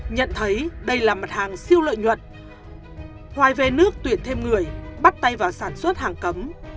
nhận thấy đây là mặt hàng siêu lợi nhuận hoài về nước tuyển thêm người bắt tay vào sản xuất hàng cấm